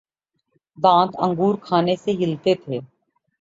دانت انگور کھانے سے ہلتے تھے